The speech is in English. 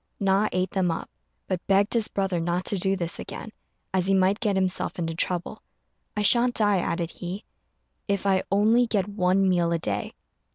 Na ate them up; but begged his brother not to do this again, as he might get himself into trouble. "I shan't die," added he, "if I only get one meal a day."